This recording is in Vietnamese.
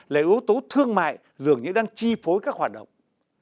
là yếu tố thương mại dường như đang chi phối các hoạt động